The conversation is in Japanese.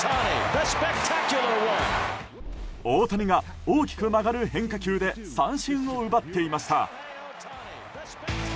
大谷が、大きく曲がる変化球で三振を奪っていました。